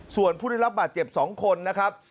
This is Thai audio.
ส่วนผู้ได้รับบาดเจ็บ๒คนนะครับ